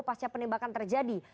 pasca penembakan terjadi